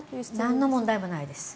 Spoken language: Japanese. なんの問題もないです。